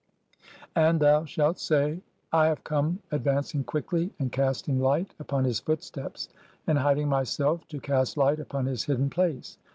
And thou shalt say :— "[I] have come advancing quickly "and casting light upon [his] footsteps, and hiding [myself] to "cast light upon his hidden place